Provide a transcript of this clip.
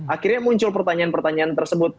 akhirnya muncul pertanyaan pertanyaan tersebut